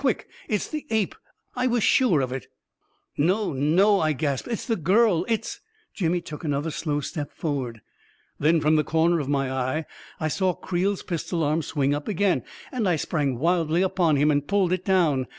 " Quick 1 It's the ape ! I was sure of it !"" No, no 1 " 1 gasped. " It's the girl — it's ..." Jimmy took another slow step forward. Then, from the corner of my eye, I saw Creel's pistol arm swing up again ; and I sprang wildly upon him and pulled it down.